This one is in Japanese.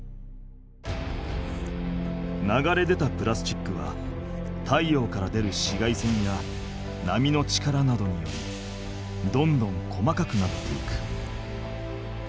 流れ出たプラスチックは太陽から出る紫外線や波の力などによりどんどん細かくなっていく。